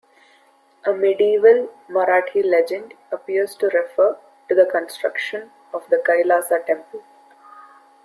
A medieval Marathi legend appears to refer to the construction of the Kailasa temple.